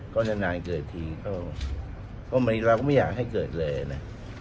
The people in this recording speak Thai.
ก็นานเกิดทีก็เราก็ไม่อยากให้เกิดเลยนะ